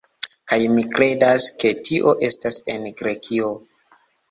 Kaj mi kredas, ke tio estas en Grekio